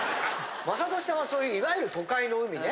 雅俊さんはそういういわゆる都会の海ね